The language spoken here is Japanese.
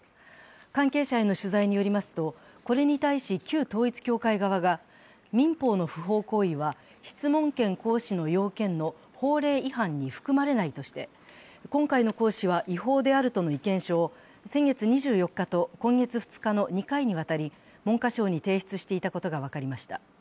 関係者への取材によりますとこれに対し旧統一教会側が民法の不法行為は質問権行使の要件の法令違反に含まれないとして、今回の行使は違法であるとの意見書を先月２４日と今月２日の２回にわたり文科省に提出していたことが分かりました。